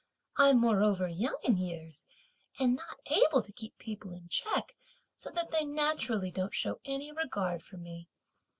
I'm moreover young in years and not able to keep people in check, so that they naturally don't show any regard for me!